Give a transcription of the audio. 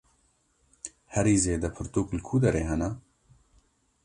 Herî zêde pirtûk li ku derê hene?